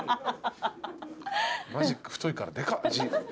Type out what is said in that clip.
マジック太いからでかっ字。